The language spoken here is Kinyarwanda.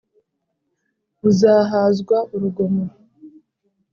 buzahazwa urugomo